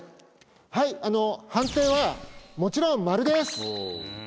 はい判定はもちろん○です